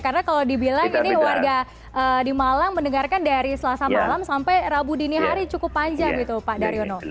karena kalau dibilang ini warga di malang mendengarkan dari selasa malam sampai rabu dini hari cukup panjang gitu pak daryono